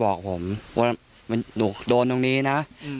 บอกผมว่าหนูโดนตรงนี้นะ